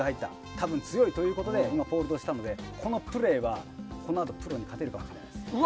多分、強いということで今フォールドしたのでこのプレーはこのあとプロに勝てると思います。